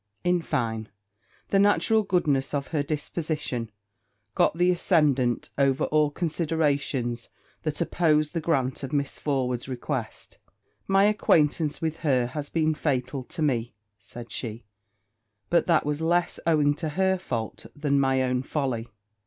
In fine, the natural goodness of her disposition got the ascendant over all considerations that opposed the grant of Miss Forward's request. 'My acquaintance with her has been fatal to me,' said she; 'but that was less owing to her fault than my own folly.'